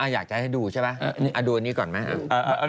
อยากจะให้ดูใช่ไหมดูอันนี้ก่อนไหม